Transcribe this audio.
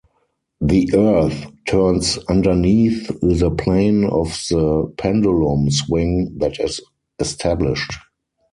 The Earth turns underneath the plane of the pendulum swing that is established.